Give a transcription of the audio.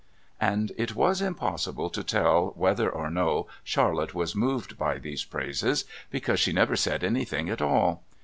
and it was impossible to tell whether or no Charlotte was moved by these praises, because she never said anything at all.